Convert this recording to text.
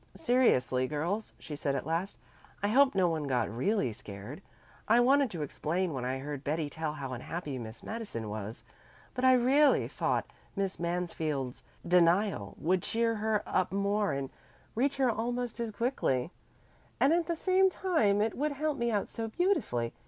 "Seriously, girls," she said at last, "I hope no one got really scared. I wanted to explain when I heard Betty tell how unhappy Miss Madison was, but I really thought Miss Mansfield's denial would cheer her up more and reach her almost as quickly, and at the same time it would help me out so beautifully.